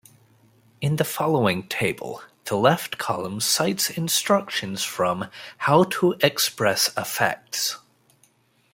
In the following table, the left column cites instructions from how to express affects.